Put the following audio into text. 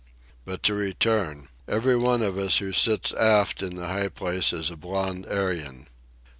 But to return. Every one of us who sits aft in the high place is a blond Aryan.